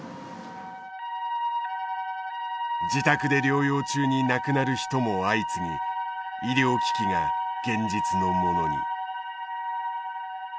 自宅で療養中に亡くなる人も相次ぎ医療危機が現実のものに。